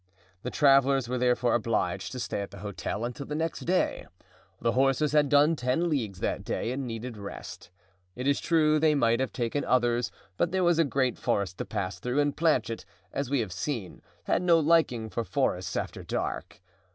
The travelers were therefore obliged to stay at the hotel until the next day; the horses had done ten leagues that day and needed rest. It is true they might have taken others, but there was a great forest to pass through and Planchet, as we have seen, had no liking for forests after dark.